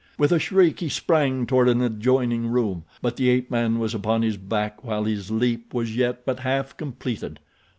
With a shriek he sprang toward an adjoining room, but the ape man was upon his back while his leap was yet but half completed.